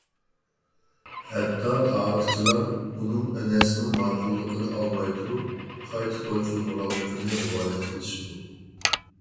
ھەتتا تارىخچىلار ئۇنىڭ ئەنەسنىڭ ماقۇللۇقىنى ئالماي تۇرۇپ، قايتا توي قىلمىغانلىقىنى رىۋايەت قىلىشىدۇ.